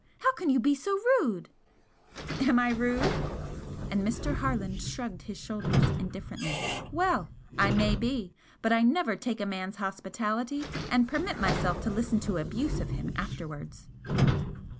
How can you be so rude!" "Am I rude?" And Mr. Harland shrugged his shoulders indifferently "Well! I may be but I never take a man's hospitality and permit myself to listen to abuse of him afterwards."